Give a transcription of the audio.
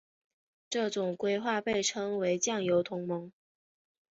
这种规则被称为酱油同盟。